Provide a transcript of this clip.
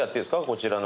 こちらの。